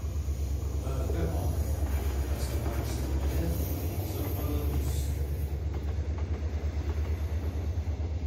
Dans le cas contraire, le personnage se relève et vous offre un bonus.